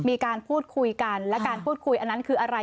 มีการพูดคุยกันและการพูดคุยอันนั้นคืออะไร